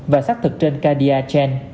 và sát thực trên cardiacen